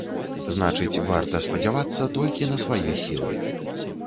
Значыць, варта спадзявацца толькі на свае сілы.